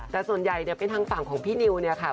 แต่ส่วนใหญ่เนี่ยเป็นทางฝั่งของพี่นิวเนี่ยค่ะ